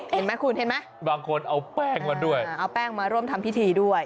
เห็นไหมคุณเห็นไหมบางคนเอาแป้งมาด้วยเอาแป้งมาร่วมทำพิธีด้วย